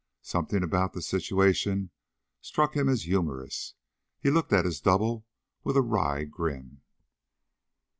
Something about the situation struck him as humorous. He looked at his double with a wry grin.